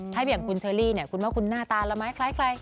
ถ้าอย่างคุณเชอรี่เนี่ยคุณว่าคุณหน้าตาละไม้คล้ายใคร